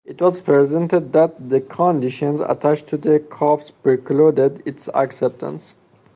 It was presented that the conditions attached to the cups precluded its acceptance.